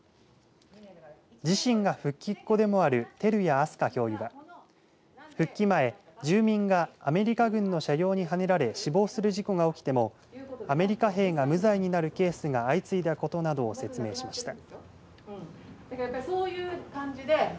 自身が復帰っ子でもある照屋あすか教諭は復帰前、住民がアメリカ軍の車両にはねられ死亡する事故が起きてもアメリカ兵が無罪になるケースが相次いだことなどを説明しました。